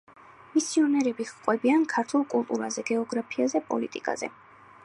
მისიონერები ჰყვებიან ქართულ კულტურაზე, გეოგრაფიაზე, პოლიტიკაზე.